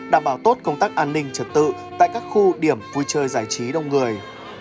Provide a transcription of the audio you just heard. đảm bảo tốt công tác an ninh trật tự tại các khu điểm vui chơi giải trí đông người